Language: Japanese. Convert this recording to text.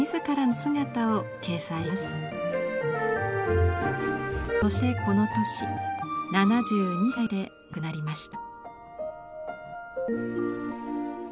そしてこの年７２歳で亡くなりました。